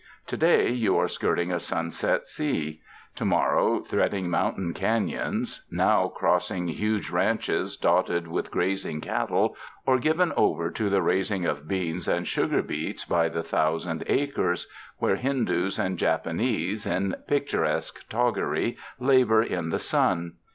To day you are skirting a sunset sea ; to morrow threading moun tain canons ; now crossing huge ranches dotted with 140 THE FRANCISCAN MISSIONS grazing cattle oi given ovei* to lIjo raising of beans and sugar beets by the thousand acres, where Hin dus and Japanese, in picturesque toggery, labor in the sun.